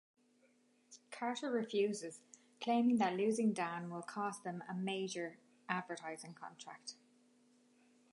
Carter refuses, claiming that losing Dan will cost them a major advertising contract.